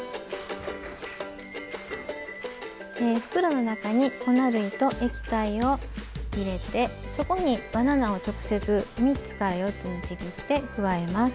袋の中に粉類と液体を入れてそこにバナナを直接３つから４つにちぎって加えます。